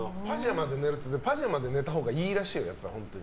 パジャマで寝たほうがいいらしいよね。